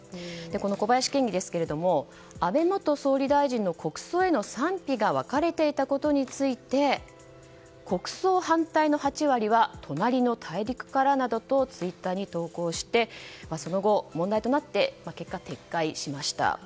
この小林県議ですが安倍元総理大臣の国葬への賛否が分かれていたことについて国葬反対の８割は隣の大陸からなどとツイッターに投稿してその後、問題となって結果、撤回しました。